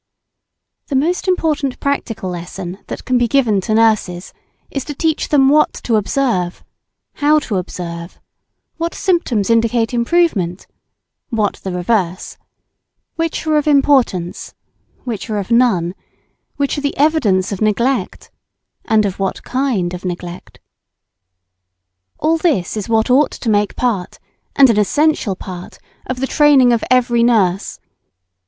The most important practical lesson that can be given to nurses is to teach them what to observe how to observe what symptoms indicate improvement what the reverse which are of importance which are of none which are the evidence of neglect and of what kind of neglect. All this is what ought to make part, and an essential part, of the training of every nurse.